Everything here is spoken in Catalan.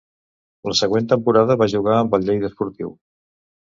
La següent temporada va jugar amb el Lleida Esportiu.